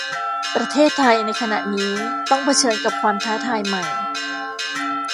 ประเทศไทยในขณะนี้ต้องเผชิญกับความท้าทายใหม่